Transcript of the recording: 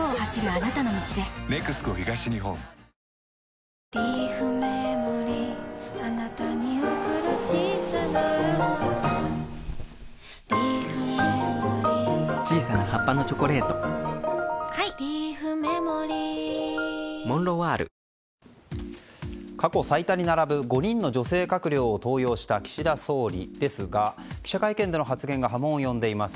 シャキッとするしいいじゃないですか過去最多に並ぶ５人の女性閣僚を登用した岸田総理ですが記者会見での発言が波紋を呼んでいます。